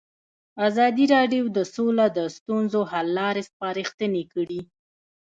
ازادي راډیو د سوله د ستونزو حل لارې سپارښتنې کړي.